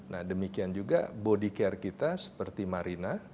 nah demikian juga body care kita seperti marina